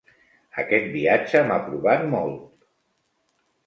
Aquest viatge m'ha provat molt.